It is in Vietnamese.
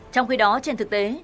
trong khi đó trên thực tế